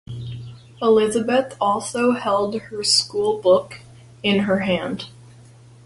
Elizabeth also held her school book in her hand.